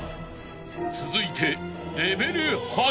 ［続いて］